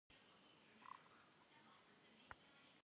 Aue şıxhuç'e, mıbdêjj mıve f'amış' vuşılhıxhue xhunuş.